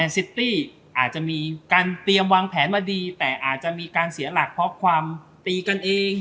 ซิตี้อาจจะมีการเตรียมวางแผนมาดีแต่อาจจะมีการเสียหลักเพราะความตีกันเอง